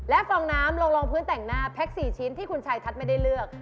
ฟองน้ำลงรองพื้นแต่งหน้าแพ็ค๔ชิ้นที่คุณชายทัศน์ไม่ได้เลือก